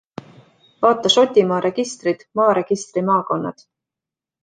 Vt Šotimaa registrid, maaregistri maakonnad.